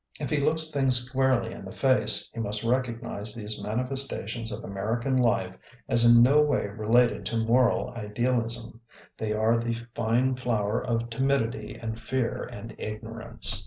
If he looks things squarely in the face, he must recognize these manifestations of American life as in no way related to moral idealism ; they are the fine flower of timidity and fear and ignorance.